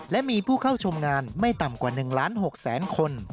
และมีผู้เข้าชมงานไม่ต่ำกว่า๑๖๐๐๐๐๐คน